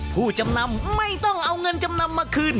ผู้จำนำไม่ต้องเอาเงินจำนำมาคืน